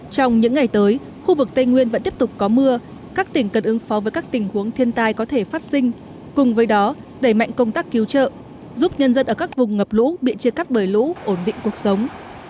trong những ngày tới khu vực tây nguyên vẫn tiếp tục có mưa các tỉnh cần ứng phó với các tình huống thiên tai có thể phát sinh cùng với đó đẩy mạnh công tác cứu trợ giúp nhân dân ở các vùng ngập lũ bị chia cắt bởi lũ ổn định cuộc sống